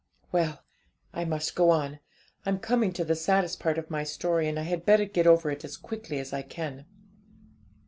'Well, I must go on; I'm coming to the saddest part of my story, and I had better get over it as quickly as I can.